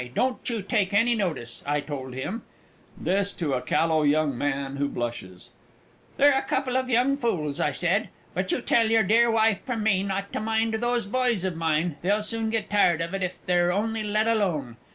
Don't you take any notice," I told him (this to a callow young man, who blushes) "they're a couple of young fools," I said, "but you tell your dear wife from me not to mind those boys of mine they'll soon get tired of it if they're only let alone."